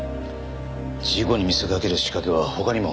事故に見せかける仕掛けは他にも。